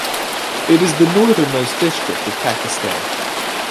It is the northernmost district of Pakistan.